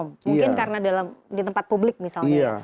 mungkin karena di tempat publik misalnya